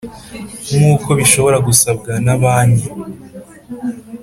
Nk uko bishobora gusabwa na banki